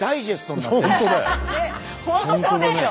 本当そうですよ！